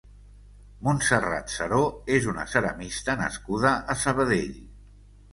Montserrat Seró és una ceramista nascuda a Sabadell.